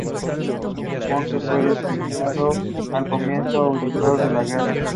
Monje fue designado al comienzo auditor de guerra.